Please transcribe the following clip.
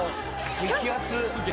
激アツ。